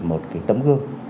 một tấm gương